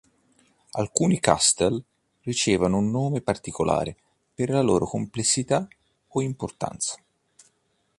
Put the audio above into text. Alcuni castell ricevono un nome particolare per la loro complessità o importanza.